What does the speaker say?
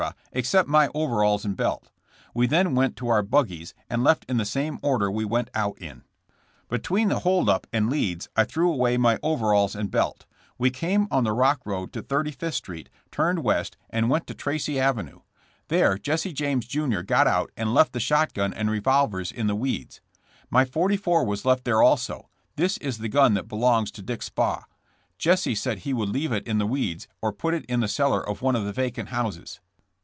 except my overalls and belt. We then went to our buggies and left in the same order we went out in. Between the hold up and Leeds I threw away my overalls and belt. We came on the rock road to wThirty fifth street, turned west and went to Tracy THK LEEDS HOLD UP. 129 avenue. There Jesse James, jr., got out and left the shotgun and revolvers in the weeds. My 44 was left there also — this is the gun that belongs to Dick Spaw. Jesse said he. would leave it in the weeds or put it in the cellar of one of the vacant houses.